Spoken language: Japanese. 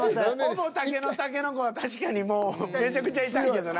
ほぼ竹の竹の子は確かにもうめちゃくちゃ痛いけどな。